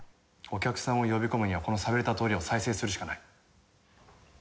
お客さんを呼び込むにはこの寂れた通りを再生するしかない。